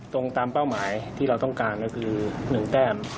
ตรงตามเป้าหมายที่เราต้องการก็คือ๑แต้ม